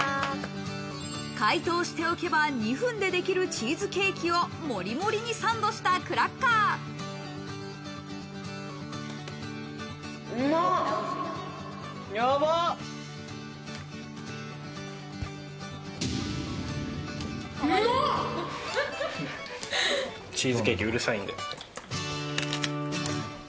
解凍しておけば２分でできるチーズケーキをモリモリにサンドしたクラッカー。